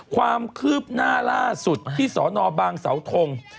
ความคืบหน้าล่าสุดที่สนบางเสาทง